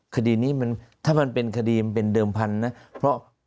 คดีนี้มันถ้ามันเป็นคดีมันเป็นเดิมพันธุ์นะเพราะ